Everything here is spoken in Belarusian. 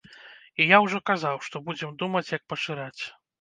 І я ўжо казаў, што будзем думаць, як пашыраць.